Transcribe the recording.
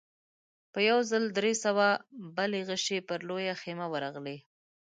په يوه ځل درې سوه بلې غشې پر لويه خيمه ورغلې.